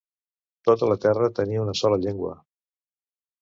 Tota la terra tenia una sola llengua.